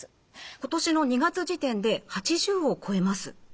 今年の２月時点で８０を超えます。